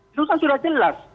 itu kan sudah jelas